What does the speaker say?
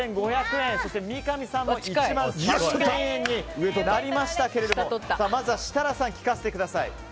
そして三上さんも１万３０００円になりましたがまずは設楽さん聞かせてください。